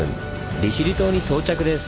利尻島に到着です。